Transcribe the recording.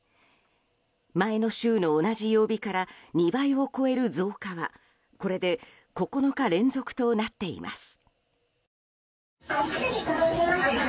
前の週の同じ曜日から２倍を超える増加はこれで９日連続となっています。